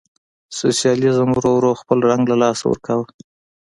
سوسیالیزم ورو ورو خپل رنګ له لاسه ورکاوه.